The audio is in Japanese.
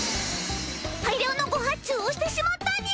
大量の誤発注をしてしまったにゃ。